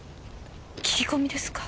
聞き込みですか？